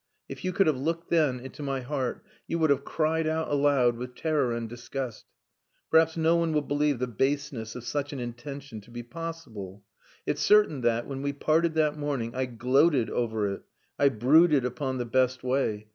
If you could have looked then into my heart, you would have cried out aloud with terror and disgust. "Perhaps no one will believe the baseness of such an intention to be possible. It's certain that, when we parted that morning, I gloated over it. I brooded upon the best way.